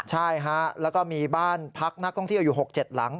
ใช่ฮะแล้วก็มีบ้านพักนักท่องเที่ยวอยู่๖๗หลัง